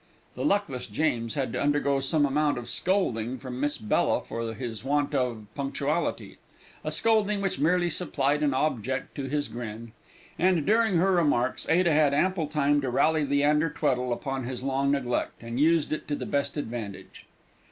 The luckless James had to undergo some amount of scolding from Miss Bella for his want of punctuality, a scolding which merely supplied an object to his grin; and during her remarks, Ada had ample time to rally Leander Tweddle upon his long neglect, and used it to the best advantage.